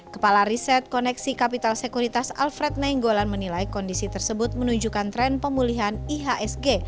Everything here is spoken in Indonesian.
kepala riset koneksi kapital sekuritas alfred nainggolan menilai kondisi tersebut menunjukkan tren pemulihan ihsg